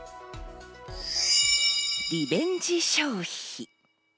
リベンジ消費。